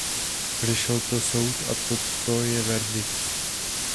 Řešil to soud a toto je verdikt.